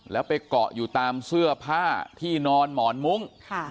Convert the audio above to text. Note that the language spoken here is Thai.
แล้วไปเกาะอยู่ตามเสื้อผ้าที่นอนหมอนมุ้ง